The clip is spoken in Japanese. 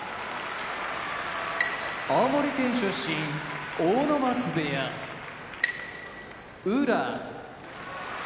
青森県出身阿武松部屋宇良